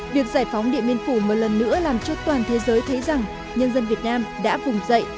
việc giải phóng điện biên phủ một lần nữa làm cho toàn thế giới thấy rằng nhân dân việt nam đã vùng dậy